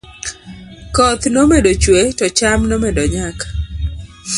koth nomedo chuwe to cham nomedo nyak